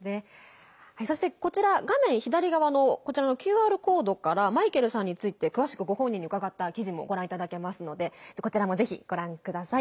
そしてこちら画面左側のＱＲコードからマイケルさんについて詳しくご本人に伺った記事もご覧いただけますのでこちらもぜひご覧ください。